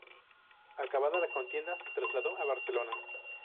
Acabada la contienda, se trasladó a Barcelona.